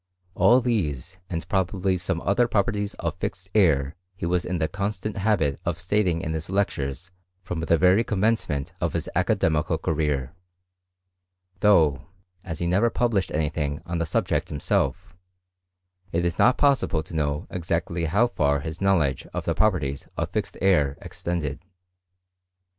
All these, and probably some other properties oi fixed air he was in the constant habit of stating in his lectures from the very commencement of his academical career; though, as he never published any thing on the subject himself, it is not possible to know exactly how far hi* knowledge of the properties oi fixed air extended.